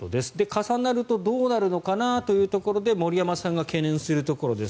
重なるとどうなるのかなというところで森山さんが懸念するところです。